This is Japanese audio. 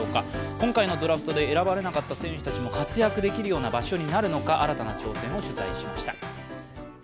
今回のドラフトで選ばれなかった選手たちも活躍できる場所になるのか、新たな挑戦を取材しました。